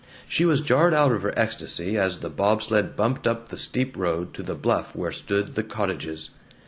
She was jarred out of her ecstasy as the bob sled bumped up the steep road to the bluff where stood the cottages.